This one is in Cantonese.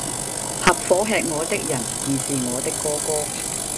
合夥喫我的人，便是我的哥哥！